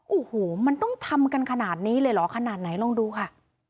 โอ้โหมันต้องทำกันขนาดนี้เลยเหรอขนาดไหนลองดูค่ะ